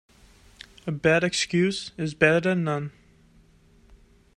A bad excuse is better then none.